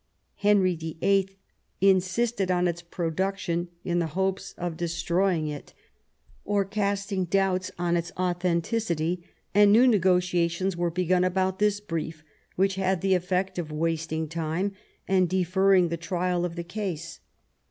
Henry VIIL insisted on its production, in the hopes of destroy 174 THOMAS WOLSEY chap. ing it or castiDg doubts on its authenticity, and new negotiations were begun about this brief, which had the effect of wasting time and deferring the trial of the case.